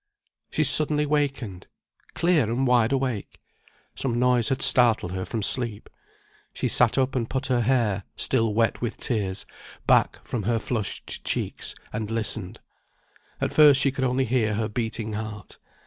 She suddenly wakened! Clear and wide awake! Some noise had startled her from sleep. She sat up, and put her hair (still wet with tears) back from her flushed cheeks, and listened. At first she could only hear her beating heart.